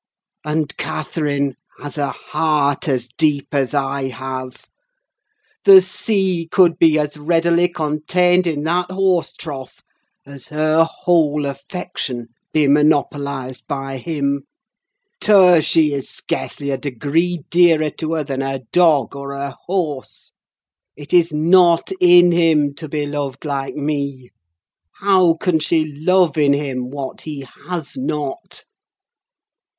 And Catherine has a heart as deep as I have: the sea could be as readily contained in that horse trough as her whole affection be monopolised by him. Tush! He is scarcely a degree dearer to her than her dog, or her horse. It is not in him to be loved like me: how can she love in him what he has not?"